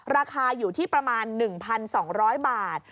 ราคาอยู่ที่ประมาณ๑๒๐๐บาท